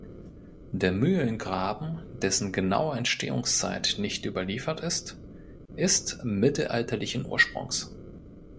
Der Mühlengraben, dessen genaue Entstehungszeit nicht überliefert ist, ist mittelalterlichen Ursprungs.